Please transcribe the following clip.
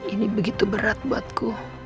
ini begitu berat buatku